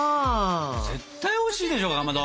絶対おいしいでしょかまど。